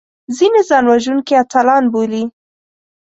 ځینې ځانوژونکي اتلان بولي